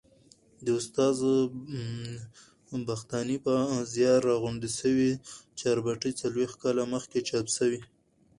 د استاد بختاني په زیار راغونډي سوې چاربیتې څلوبښت کال مخکي چاپ سوې.